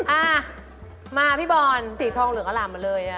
อ่ะมาพี่บอลสีทองเหลืองอร่ามมาเลย